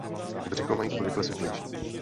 Břicho mají obvykle světlejší.